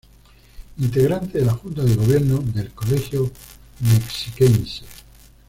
Integrante de la Junta de Gobierno de El Colegio Mexiquense.